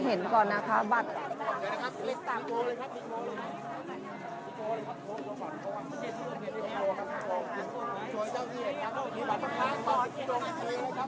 เมื่อเวลาอันดับสุดท้ายเมื่อเวลาอันดับสุดท้าย